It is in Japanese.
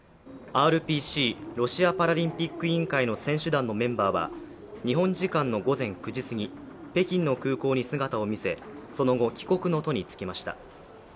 ＲＰＣ＝ロシア・パラリンピック委員会の選手団のメンバーは、日本時間の午前９時過ぎ、北京の空港に姿を見せその後、帰国の途に就きました。